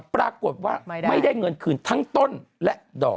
ปรากฏว่าไม่ได้เงินคืนทั้งต้นและดอก